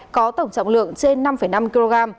có tổng trọng lượng trên năm năm kg